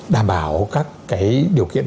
đảm bảo các cái điều kiện